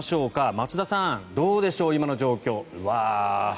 松田さん、どうでしょう今の状況。